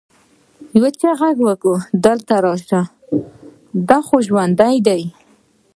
يو چا ږغ وکړ هلته راسئ دا خو ژوندى دى.